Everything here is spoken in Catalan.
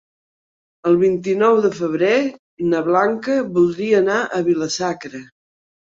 El vint-i-nou de febrer na Blanca voldria anar a Vila-sacra.